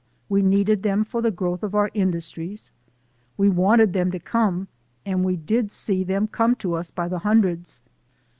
We needed them for the growth of our industries, we wanted them to come and we did see them come to us by the hundreds.